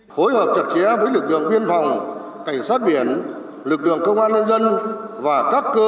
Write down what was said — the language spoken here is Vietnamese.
khối hợp chặt chẽ với lực lượng viên phòng cảnh sát biển lực lượng công an nhân dân và các cơ